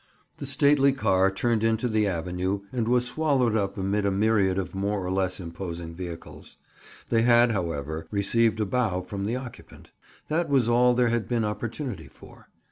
The stately car turned into the avenue and was swallowed up amid a myriad of more or less imposing vehicles. They had, however, received a bow from the occupant. That was all there had been opportunity for.